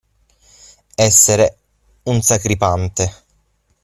Essere un sacripante.